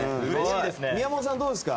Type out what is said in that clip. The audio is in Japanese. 宮本さんはどうですか？